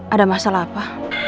ada masalah apa